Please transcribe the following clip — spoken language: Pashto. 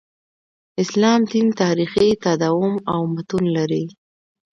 اسلام دین تاریخي تداوم او متون لري.